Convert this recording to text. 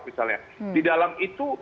misalnya di dalam itu